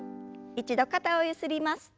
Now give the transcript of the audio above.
一度肩をゆすります。